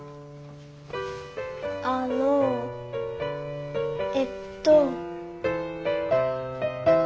あのえっと。